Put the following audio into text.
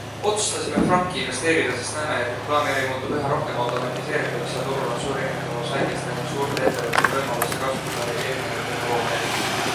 Otsustasime Franki investeerida, sest näeme, et reklaamiäri muutub üha rohkem automatiseerituks ja turul on suur erinevus väikeste ning suurte ettevõtete võimalustel kasutada erinevaid tehnoloogiaid.